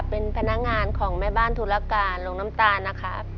เป็นพนักงานของแม่บ้านธุรการลงน้ำตาลนะครับ